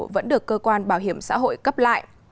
vẫn được cơ quan bảo hiểm xã hội cấp lại